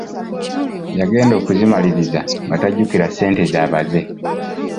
Yagenda okuzimaliriza nga tajjukira ssente z'abaze!